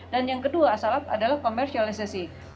dan yang kedua asalat adalah komersialisasi